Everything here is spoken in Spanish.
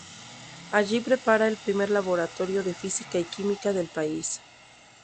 Allí prepara el primer laboratorio de Física y Química del país.